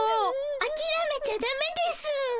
あきらめちゃダメですぅ。